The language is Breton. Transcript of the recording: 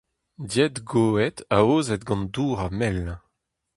Died goet aozet gant dour ha mel.